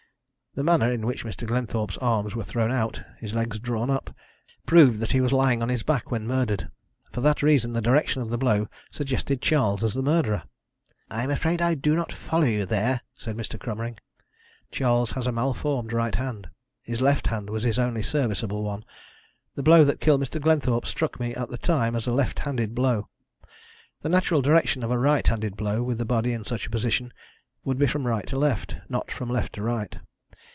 The manner in which Mr. Glenthorpe's arms were thrown out, his legs drawn up, proved that he was lying on his back when murdered. For that reason, the direction of the blow suggested Charles as the murderer." "I am afraid I do not follow you there," said Mr. Cromering. "Charles had a malformed right hand; his left hand was his only serviceable one. The blow that killed Mr. Glenthorpe struck me at the time as a left handed blow. The natural direction of a right handed blow, with the body in such a position, would be from right to left not from left to right.